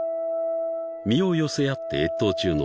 ［身を寄せ合って越冬中の］